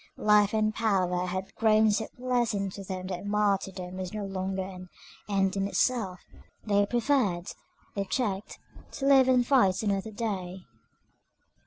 Life and power had grown so pleasant to them that martyrdom was no longer an "end in itself"; they preferred, if checked, to live and fight another day.